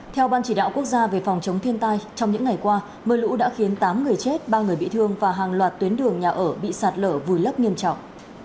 theo ban chỉ đạo quốc gia về phòng chống thiên tai trong những ngày qua mưa lũ đã khiến tám người chết ba người bị thương và hàng loạt tuyến đường nhà ở bị sạt lở vùi lấp nghiêm trọng